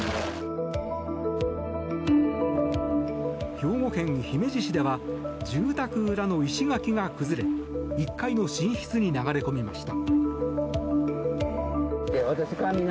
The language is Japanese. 兵庫県姫路市では住宅裏の石垣が崩れ１階の寝室に流れ込みました。